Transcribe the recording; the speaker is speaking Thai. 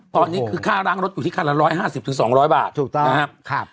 ตอนนี้ค่าร้างรถอยู่ที่ค่าละ๑๕๐๒๐๐บาทถูกต้องครับถูกต้องครับ